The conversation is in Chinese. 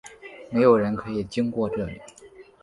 没有人可以经过这里！